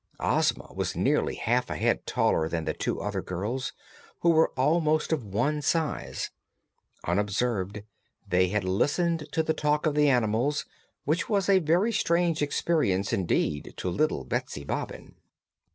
Ozma was nearly half a head taller than the two other girls, who were almost of one size. Unobserved, they had listened to the talk of the animals, which was a very strange experience indeed to little Betsy Bobbin.